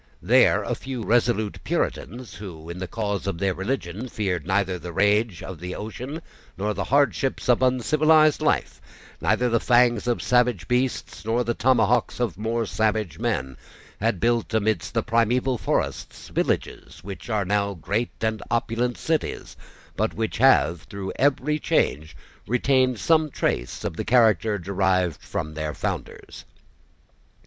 There a few resolute Puritans, who, in the cause of their religion, feared neither the rage of the ocean nor the hardships of uncivilised life, neither the fangs of savage beasts nor the tomahawks of more savage men, had built, amidst the primeval forests, villages which are now great and opulent cities, but which have, through every change, retained some trace of the character derived from their founders.